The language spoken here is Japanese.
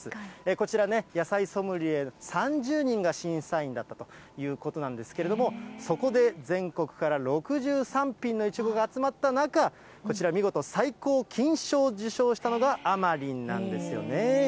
こちらね、野菜ソムリエ３０人が審査員だったということなんですけれども、そこで全国から６３品のいちごが集まった中、こちら、見事最高金賞を受賞したのが、あまりんなんですよね。